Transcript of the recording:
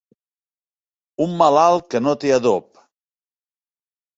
Un malalt que no té adob.